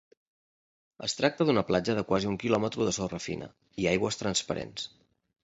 Es tracta d'una platja de quasi un quilòmetre de sorra fina i aigües transparents.